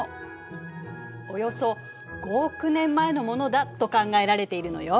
およそ５億年前のものだと考えられているのよ。